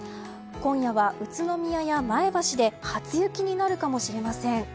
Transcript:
今夜は宇都宮や前橋で初雪になるかもしれません。